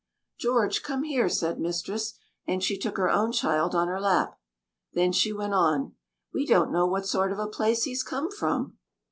"George, come here," said mistress, and she took her own child on her lap. Then she went on. "We don't know what sort of a place he's come from."